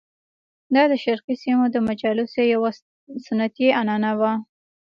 دا د شرقي سیمو د مجالسو یوه سنتي عنعنه وه.